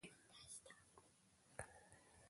دوی به خجونه توپیر کړي وي.